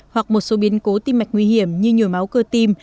hoặc một số biến cố tim mạch nguy hiểm như nhồi máu cơ tim